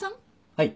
はい。